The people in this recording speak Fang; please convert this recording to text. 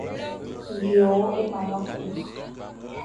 Vyo é mana kü,